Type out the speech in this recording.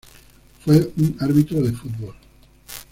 Fue un árbitro de fútbol.